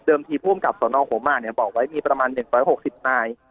เดิมทีผู้อำกับสนองโขม่าเนี่ยบอกไว้มีประมาณ๑๖๐นาย